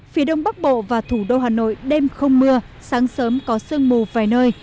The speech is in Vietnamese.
phía đông bắc bộ và thủ đô hà nội đêm không mưa sáng sớm có sương mù vài nơi